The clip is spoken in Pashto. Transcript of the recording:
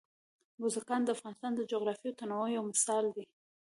بزګان د افغانستان د جغرافیوي تنوع یو مثال دی.